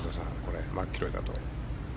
マキロイだと。